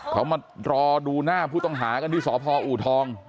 เขามารอดูหน้าผู้ต้องหากันที่สพอูทอง